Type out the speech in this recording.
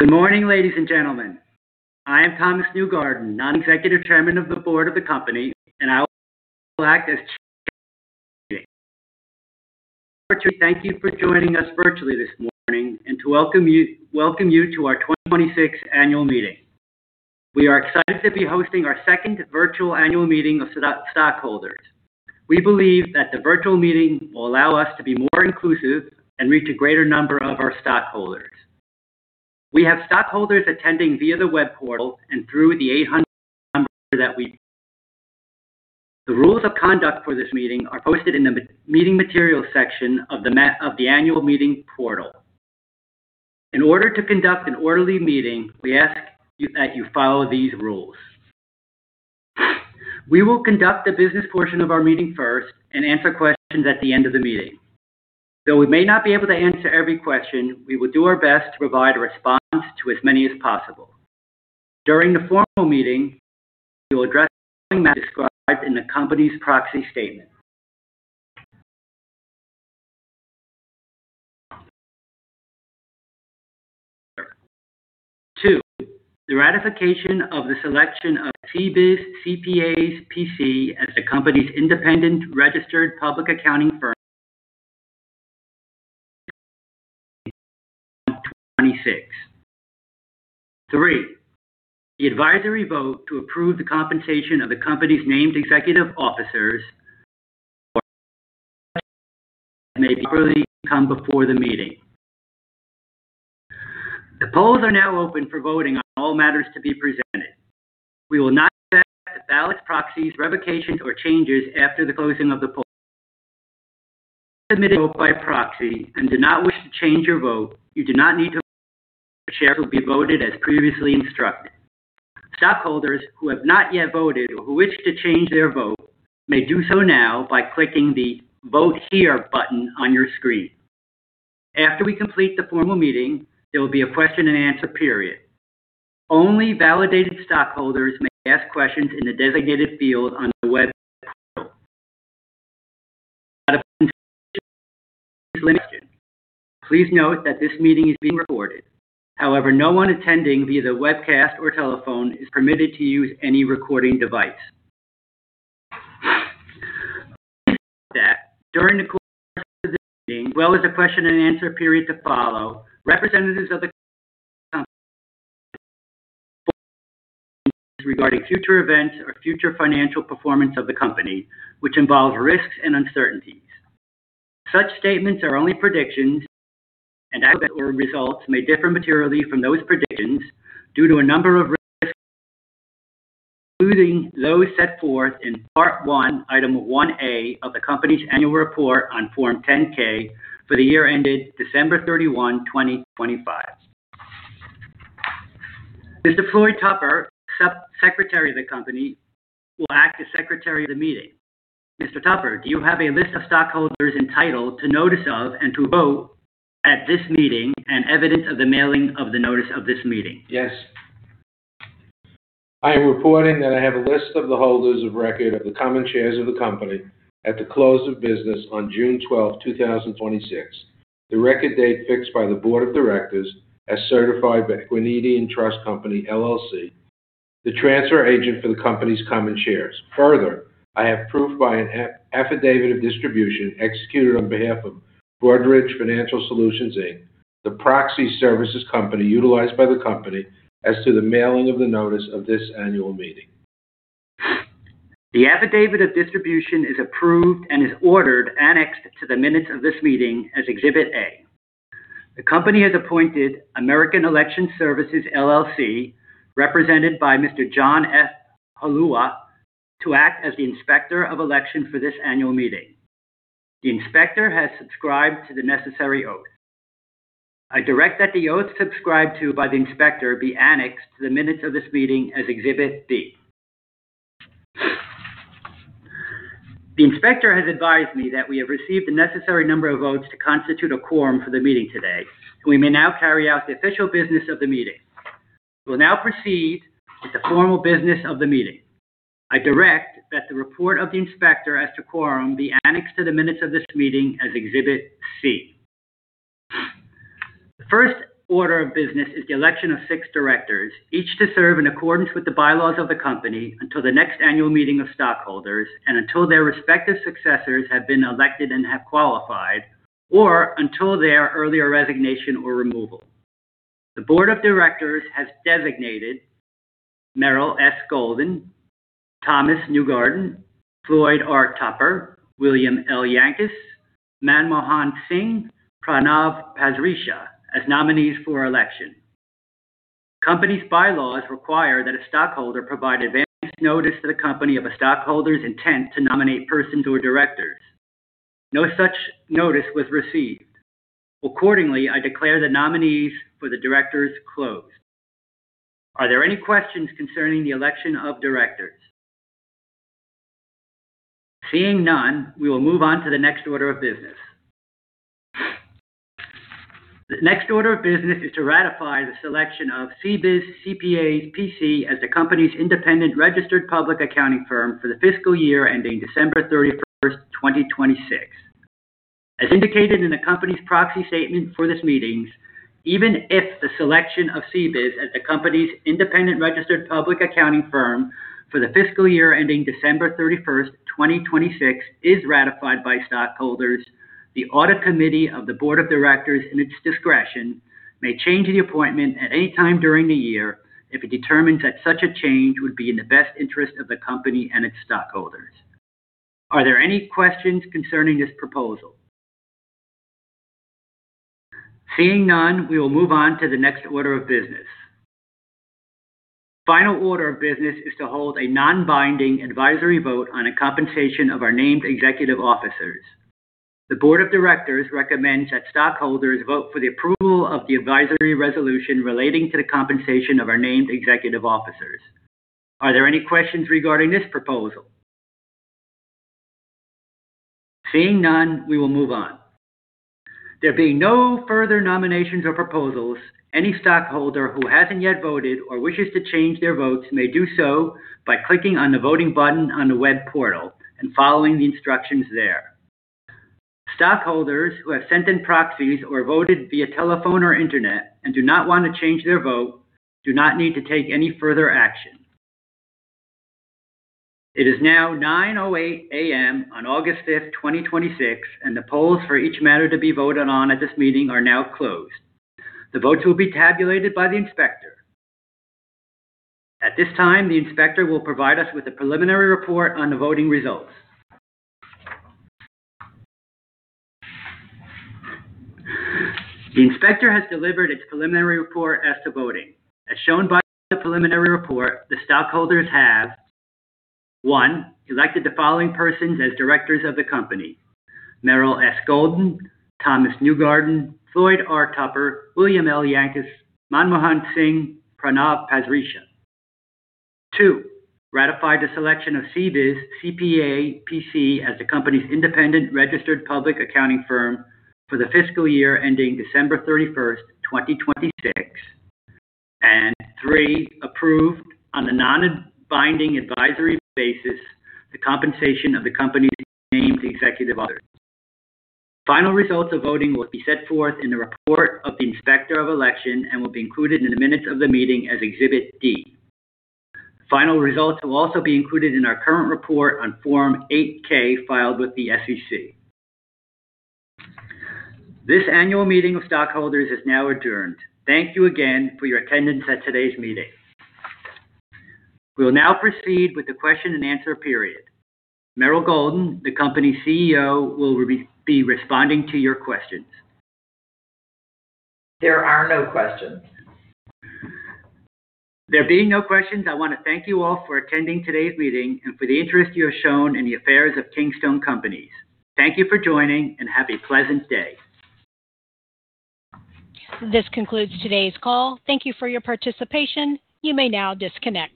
Good morning, ladies and gentlemen. I am Thomas Newgarden, non-executive chairman of the board of the company, and I will act as chair of this meeting. We thank you for joining us virtually this morning and to welcome you to our 2026 annual meeting. We are excited to be hosting our second virtual annual meeting of stockholders. We believe that the virtual meeting will allow us to be more inclusive and reach a greater number of our stockholders. We have stockholders attending via the web portal and through the 800 number. The rules of conduct for this meeting are posted in the meeting materials section of the annual meeting portal. In order to conduct an orderly meeting, we ask that you follow these rules. We will conduct the business portion of our meeting first and answer questions at the end of the meeting. Though we may not be able to answer every question, we will do our best to provide a response to as many as possible. During the formal meeting, we will address the following matters described in the company's proxy statement. Two, the ratification of the selection of CBIZ CPAs, PC as the company's independent registered public accounting firm for the fiscal year ending December 31, 2026. Three, the advisory vote to approve the compensation of the company's named executive officers for the fiscal year ending December 31, 2026, and may properly come before the meeting. The polls are now open for voting on all matters to be presented. We will not accept ballots, proxies, revocations, or changes after the closing of the polls. If you submitted a vote-by-proxy and do not wish to change your vote, you do not need to vote, your share will be voted as previously instructed. Stockholders who have not yet voted or who wish to change their vote may do so now by clicking the Vote Here button on your screen. After we complete the formal meeting, there will be a question and answer period. Only validated stockholders may ask questions in the designated field on the webcast portal. Out of consideration for other stockholders, please limit your question. Please note that this meeting is being recorded. However, no one attending via the webcast or telephone is permitted to use any recording device. Please be advised that during the course of this meeting, as well as the question and answer period to follow, representatives of the company may make forward-looking statements regarding future events or future financial performance of the company, which involve risks and uncertainties. Such statements are only predictions, and actual events or results may differ materially from those predictions due to a number of risks and uncertainties, including those set forth in Part 1, Item 1A of the company's annual report on Form 10-K for the year ended December 31, 2025. Mr. Floyd Tupper, secretary of the company, will act as secretary of the meeting. Mr. Tupper, do you have a list of stockholders entitled to notice of and to vote at this meeting and evidence of the mailing of the notice of this meeting? Yes. I am reporting that I have a list of the holders of record of the common shares of the company at the close of business on June 12th, 2026, the record date fixed by the board of directors as certified by Equiniti Trust Company LLC, the transfer agent for the company's common shares. I have proof by an affidavit of distribution executed on behalf of Broadridge Financial Solutions, Inc., the proxy services company utilized by the company, as to the mailing of the notice of this annual meeting. The affidavit of distribution is approved and is ordered annexed to the minutes of this meeting as Exhibit A. The company has appointed American Election Services LLC, represented by Mr. John F. Halawa, to act as the inspector of election for this annual meeting. The inspector has subscribed to the necessary oath. I direct that the oath subscribed to by the inspector be annexed to the minutes of this meeting as Exhibit B. The inspector has advised me that we have received the necessary number of votes to constitute a quorum for the meeting today. We may now carry out the official business of the meeting. We will now proceed with the formal business of the meeting. I direct that the report of the inspector as to quorum be annexed to the minutes of this meeting as Exhibit C. The first order of business is the election of six directors, each to serve in accordance with the bylaws of the company until the next annual meeting of stockholders and until their respective successors have been elected and have qualified, or until their earlier resignation or removal. The board of directors has designated Meryl S. Golden, Thomas Newgarden, Floyd R. Tupper, William L. Yankus, Manmohan Singh, Pranav Pasricha as nominees for election. Company's bylaws require that a stockholder provide advance notice to the company of a stockholder's intent to nominate persons who are directors. No such notice was received. I declare the nominees for the directors closed. Are there any questions concerning the election of directors? Seeing none, we will move on to the next order of business. The next order of business is to ratify the selection of CBIZ CPAs, PC as the company's independent registered public accounting firm for the fiscal year ending December 31st, 2026. As indicated in the company's proxy statement for this meeting, even if the selection of CBIZ as the company's independent registered public accounting firm for the fiscal year ending December 31st, 2026 is ratified by stockholders, the Audit Committee of the Board of Directors, in its discretion, may change the appointment at any time during the year if it determines that such a change would be in the best interest of the company and its stockholders. Are there any questions concerning this proposal? Seeing none, we will move on to the next order of business. Final order of business is to hold a non-binding advisory vote on a compensation of our named executive officers. The Board of Directors recommends that stockholders vote for the approval of the advisory resolution relating to the compensation of our named executive officers. Are there any questions regarding this proposal? Seeing none, we will move on. There being no further nominations or proposals, any stockholder who hasn't yet voted or wishes to change their votes may do so by clicking on the voting button on the web portal and following the instructions there. Stockholders who have sent in proxies or voted via telephone or internet and do not want to change their vote do not need to take any further action. It is now 9:00 A.M. on August fifth, 2026, and the polls for each matter to be voted on at this meeting are now closed. The votes will be tabulated by the inspector. At this time, the inspector will provide us with a preliminary report on the voting results. The inspector has delivered its preliminary report as to voting. As shown by the preliminary report, the stockholders have, one, elected the following persons as directors of the company: Meryl S. Golden, Thomas Newgarden, Floyd R. Tupper, William L. Yankus, Manmohan Singh, Pranav Pasricha. Two, ratified the selection of CBIZ CPAs, PC as the company's independent registered public accounting firm for the fiscal year ending December 31st, 2026. Three, approved, on a non-binding advisory basis, the compensation of the company's named executive officers. Final results of voting will be set forth in the report of the inspector of election and will be included in the minutes of the meeting as Exhibit D. Final results will also be included in our current report on Form 8-K filed with the SEC. This annual meeting of stockholders is now adjourned. Thank you again for your attendance at today's meeting. We will now proceed with the question and answer period. Meryl Golden, the company's CEO, will be responding to your questions. There are no questions. There being no questions, I want to thank you all for attending today's meeting and for the interest you have shown in the affairs of Kingstone Companies. Thank you for joining, and have a pleasant day. This concludes today's call. Thank you for your participation. You may now disconnect